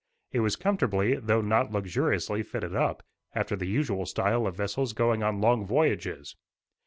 It was comfortably, though not luxuriously fitted up, after the usual style of vessels going on long voyages.